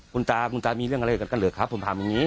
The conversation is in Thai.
คุณตาคุณตามีเรื่องอะไรกันเหรอครับผมถามอย่างนี้